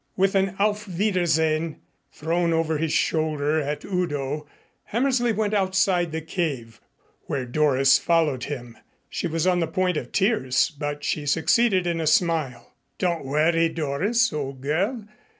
With an auf wiedersehen thrown over his shoulder at Udo, Hammersley went outside the cave, where Doris followed him. She was on the point of tears, but she succeeded in a smile. "Don't worry, Doris, old girl.